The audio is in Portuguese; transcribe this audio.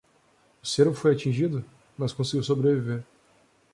O cervo foi atingido? mas conseguiu sobreviver.